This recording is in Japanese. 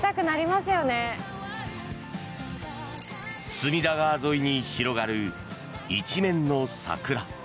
隅田川沿いに広がる一面の桜。